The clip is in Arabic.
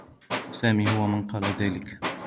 سامي هو من قال ذلك.